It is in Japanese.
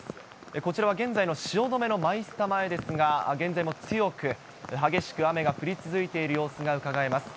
こちらは現在の汐留のマイスタ前ですが、現在も強く、激しく雨が降り続いている様子がうかがえます。